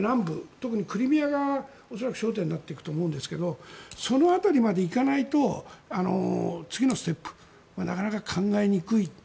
特にクリミアが恐らく焦点になると思いますがその辺りまでいかないと次のステップなかなか考えにくい。